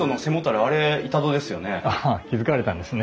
ああ気付かれたんですね。